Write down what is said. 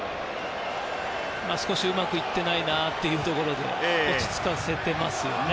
少しうまくいっていないなというところで落ち着かせていますね。